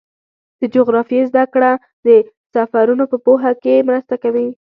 د جغرافیې زدهکړه د سفرونو په پوهه کې مرسته کوي.